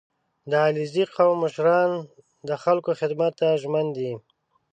• د علیزي قوم مشران د خلکو خدمت ته ژمن دي.